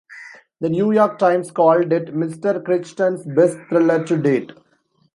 The "New York Times" called it "Mr Crichton's best thriller to date".